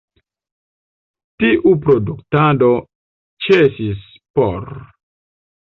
Tiu produktado ĉesis pr.